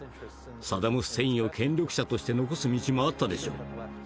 サダム・フセインを権力者として残す道もあったでしょう。